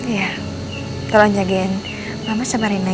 iya tolong jagain mbak andin ya